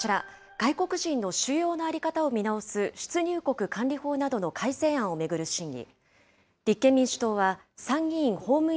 外国人の収容の在り方を見直す出入国管理法などの改正案を巡る審議。